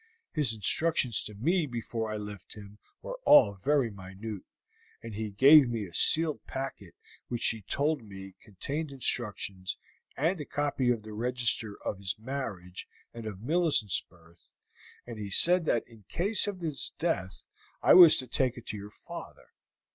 His instructions to me before I left him were all very minute, and he gave me a sealed packet which he told me contained instructions and a copy of the register of his marriage and of Millicent's birth, and he said that in case of his death I was to take it to your father.